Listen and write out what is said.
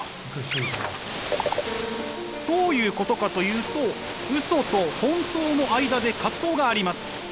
どういうことかというとウソと本当の間で葛藤があります。